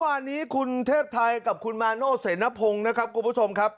วันนี้คุณเทพไทยกับคุณมาโน่เสนพงศ์นะครับคุณผู้ชมครับ